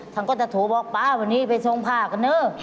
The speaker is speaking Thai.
ฉันก็จะโดนบอกป๊าวันนี้ไปส่งผ้ากันหนึ่ง